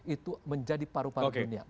itu menjadi paru paru dunia